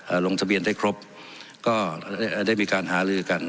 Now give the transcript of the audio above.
ลงทะเบียนได้ครบก็ได้เอ่อได้มีการหาลือกัน